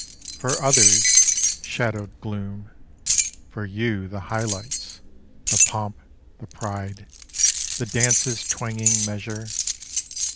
For others, shadowed gloom; for you, the high lights The pomp, the pride, the dance's twanging measure